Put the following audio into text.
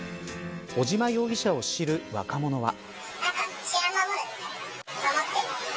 尾島容疑者を知る若者は。